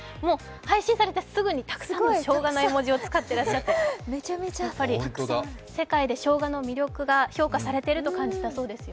配信されてすぐたくさんのしょうがの絵文字を使ってらっしゃって世界でしょうがの魅力が評価されていると感じたそうですよ。